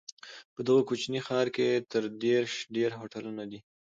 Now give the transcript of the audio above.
په دغه کوچني ښار کې تر دېرش ډېر هوټلونه دي.